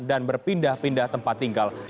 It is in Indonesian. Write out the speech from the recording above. dan berpindah pindah tempat tinggal